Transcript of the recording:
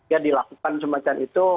ya dilakukan semacam itu